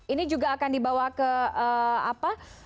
ini juga akan dibawa ke apa